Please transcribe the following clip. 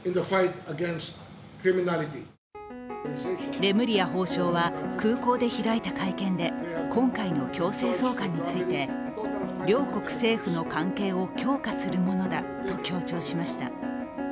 レムリヤ法相は空港で開いた会見で、今回の強制送還について両国政府の関係を強化するものだと強調しました。